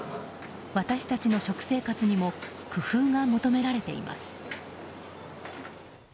私たちの食生活にも工夫が求められています。